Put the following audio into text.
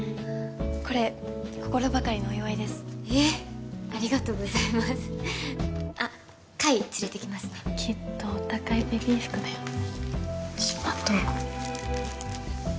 これ心ばかりのお祝いですえっありがとうございますあっ海連れてきますねきっとお高いベビー服だよねしまっておこううん